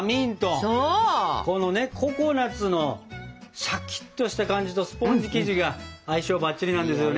このねココナツのシャキッとした感じとスポンジ生地が相性バッチリなんですよね。